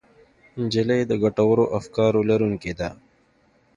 نجلۍ د ګټورو افکارو لرونکې ده.